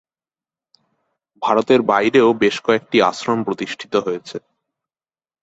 ভারতের বাইরেও বেশ কয়েকটি আশ্রম প্রতিষ্ঠিত হয়েছে।